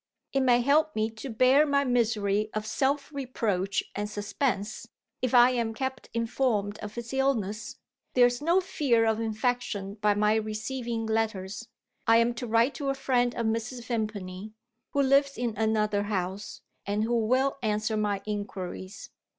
It may help me to bear my misery of self reproach and suspense, if I am kept informed of his illness. There is no fear of infection by my receiving letters. I am to write to a friend of Mrs. Vimpany, who lives in another house, and who will answer my inquiries.